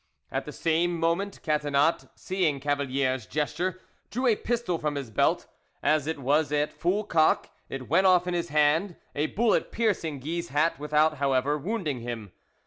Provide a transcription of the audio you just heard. At the same moment Catinat, seeing Cavalier's gesture, drew a pistol from his belt. As it was at full cock, it went off in his hand, a bullet piercing Guy's hat, without, however, wounding him.